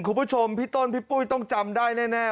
คุณผู้ชมพี่ต้นพี่ปุ้ยต้องจำได้แน่